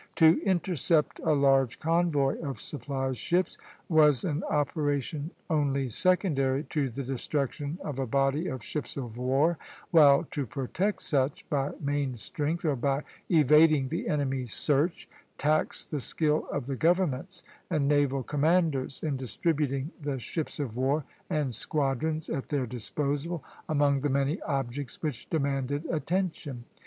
To intercept a large convoy of supply ships was an operation only secondary to the destruction of a body of ships of war; while to protect such by main strength, or by evading the enemy's search, taxed the skill of the governments and naval commanders in distributing the ships of war and squadrons at their disposal, among the many objects which demanded attention.